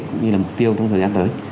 cũng như là mục tiêu trong thời gian tới